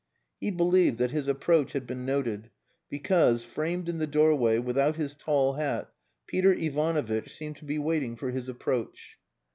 He believed that his approach had been noted, because, framed in the doorway, without his tall hat, Peter Ivanovitch seemed to be waiting for his approach.